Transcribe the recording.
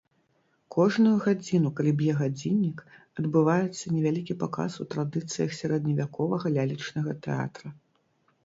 Кожную гадзіну, калі б'е гадзіннік, адбываецца невялікі паказ у традыцыях сярэдневяковага лялечнага тэатра.